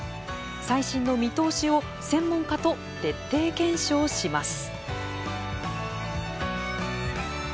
最新の見通しを専門家と徹底検証します。